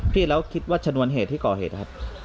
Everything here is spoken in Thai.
พี่แล้วคิดว่าชนวนเหตุที่ก่อเหตุครับ